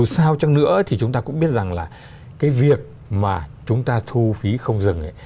sau chăng nữa thì chúng ta cũng biết rằng là cái việc mà chúng ta thu phí không dừng